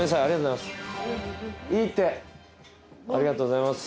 ありがとうございます。